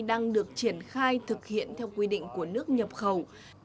đang được triển khai thực hiện theo quy định của nước nhập khẩu